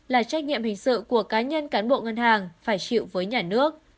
là trách nhiệm hình sự của cá nhân cán bộ ngân hàng phải chịu với nhà nước